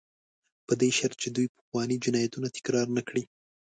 په دې شرط چې دوی پخواني جنایتونه تکرار نه کړي.